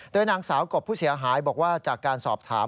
โดยนางสาวกบผู้เสียหายบอกว่าจากการสอบถาม